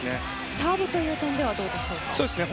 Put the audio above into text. サーブという点ではどうでしょうか？